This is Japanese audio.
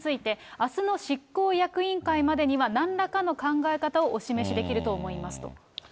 あすの執行役員会までには、なんらかの考え方をお示しできると思いますと。